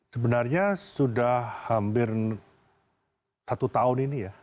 sebenarnya sudah hampir satu tahun ini ya